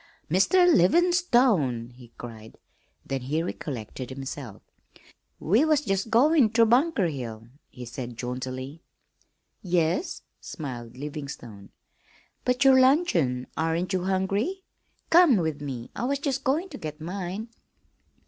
"Mr. Livin'stone!" he cried; then he recollected himself. "We was jest goin' ter Bunker Hill," he said jauntily. "Yes?" smiled Livingstone. "But your luncheon aren't you hungry? Come with me; I was just going to get mine."